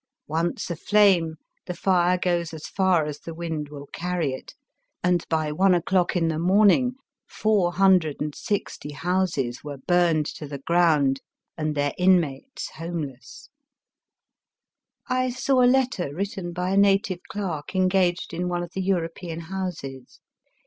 Once aflame the fire goes as far as the wind will carry it, and by one o'clock in the morning four hundred and sixty houses were Digitized by VjOOQIC A JAPANBSK THEATBE. 289 biimed to the ground, and their inmatea homeless. I saw a letter written by a native clerk engaged in one of the European houses.